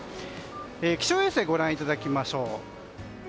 気象衛星ご覧いただきましょう。